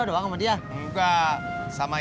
bapak radioactive itulassennya neti